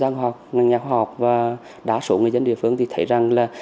chuyên gia khoa học nhà khoa học và đa số người dân địa phương thì thấy rằng là